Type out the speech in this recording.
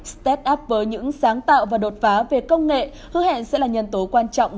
start up với những sáng tạo và đột phá về công nghệ hứa hẹn sẽ là nhân tố quan trọng